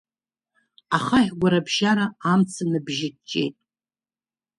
Ахаҳә гәарабжьара амца набжьыҷҷеит.